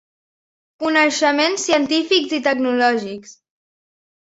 Coneixements científics i tecnològics.